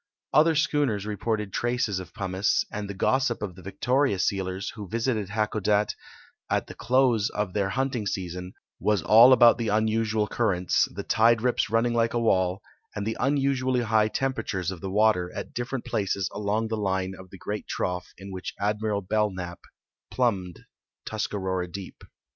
Other schooners report(;d traces of })uniice, and the gossi]) of the Victoria sealers, who visited 312 GEOGRAPHIC NOTES Hakodate at the close of their hunting season, was all about the unusual currents, the tide ri])S running like a wall, and the unusually high temperature of the water at different places along the line of the great trough in which Admiral Belknap plumbed Tuscarora deep.